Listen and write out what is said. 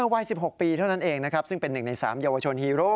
วัย๑๖ปีเท่านั้นเองซึ่งเป็นหนึ่งใน๓ยาวชนฮีโร่